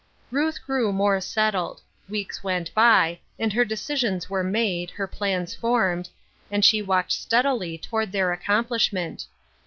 Ruth grew more settled. Weeks went by, and her decisions were made, her plans formed, and she walked steadily toward their accomplish ment.